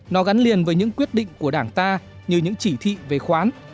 nó gắn liền với những quyết định của đảng ta như những chỉ thị về khoán